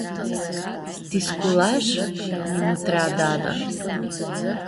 “Tu sculash?” Mi- mutrea dada.